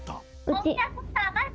お客様！